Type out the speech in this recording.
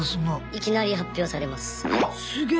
いきなり発表されます。